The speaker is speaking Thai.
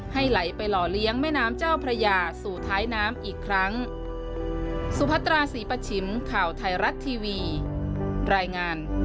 ไหลไปหล่อเลี้ยงแม่น้ำเจ้าพระยาสู่ท้ายน้ำอีกครั้ง